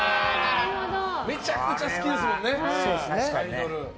めちゃくちゃ好きですもんね。